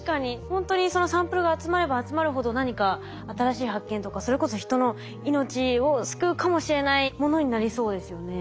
ほんとにサンプルが集まれば集まるほど何か新しい発見とかそれこそ人の命を救うかもしれないものになりそうですよね。